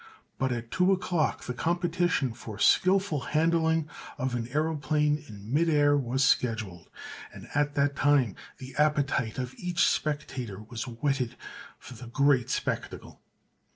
But at two o'clock the competition for skillful handling of an aëroplane in midair was scheduled, and at that time the appetite of each spectator was whetted for the great spectacle.